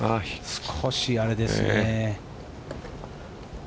少しアレですね。